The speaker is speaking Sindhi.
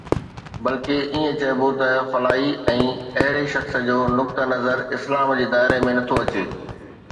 بلڪه ائين چئبو ته فلاڻي ۽ اهڙي شخص جو نقطه نظر اسلام جي دائري ۾ نٿو اچي